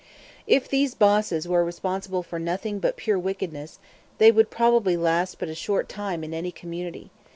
If these bosses were responsible for nothing but pure wickedness, they would probably last but a short time in any community.